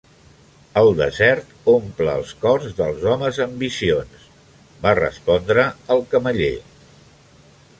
"El desert omple els cors dels homes amb visions", va respondre el cameller.